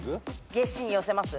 ゲシに寄せます？